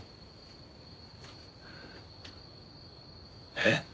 えっ？